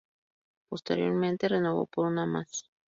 Posteriormente renovó por una más.